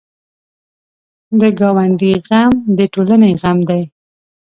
د ګاونډي غم د ټولنې غم دی